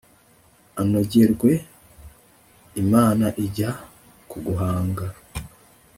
anogerwe, imana ijya kuguhanga